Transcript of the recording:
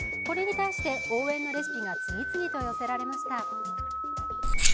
これに対して応援のレシピが次々と寄せられました。